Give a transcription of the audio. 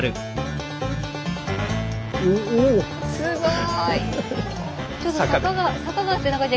すごい。